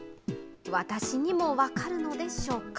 私にも分かるのでしょうか。